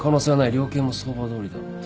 量刑も相場どおりだ。